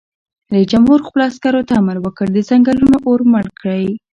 رئیس جمهور خپلو عسکرو ته امر وکړ؛ د ځنګلونو اور مړ کړئ!